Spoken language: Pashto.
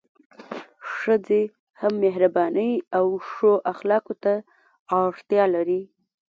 ښځي هم مهربانۍ او ښو اخلاقو ته اړتیا لري